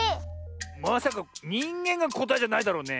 まさか「にんげん」がこたえじゃないだろうね。